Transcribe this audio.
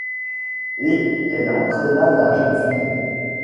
Et elle entraîna la jeune fille.